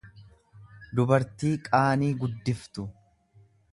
dubartii qaanii guddiftu.